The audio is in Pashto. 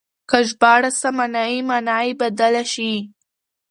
که ژباړه سمه نه وي مانا به يې بدله شي.